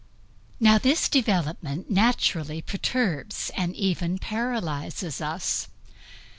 Now this development naturally perturbs and even paralyzes us.